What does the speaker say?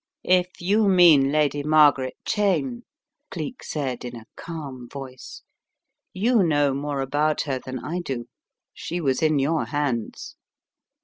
"If you mean Lady Margaret Cheyne," Cleek said in a calm voice, "you know more about her than I do. She was in your hands!"